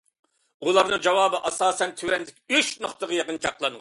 ئۇلارنىڭ جاۋابى ئاساسەن تۆۋەندىكى ئۈچ نۇقتىغا يىغىنچاقلانغان.